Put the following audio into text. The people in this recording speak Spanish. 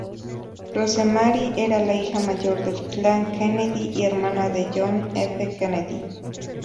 Rosemary era la hija mayor del clan Kennedy y hermana de John F. Kennedy.